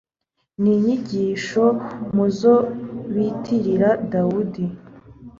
ni inyigisho mu zo bitirira dawudi